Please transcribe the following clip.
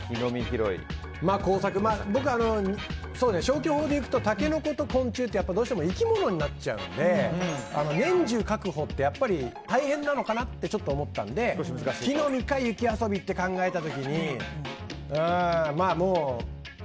消去法で行くとタケノコと昆虫って、どうしても生き物になっちゃうので年中確保って大変なのかなと思ったので木の実か雪遊びって考えた時にもう。